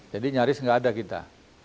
jadi nyaris tidak ada kita